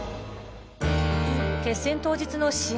決戦当日の試合